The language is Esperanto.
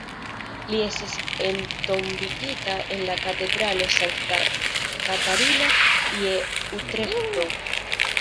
Li estas entombigita en la katedralo Sankta Katarina je Utreĥto.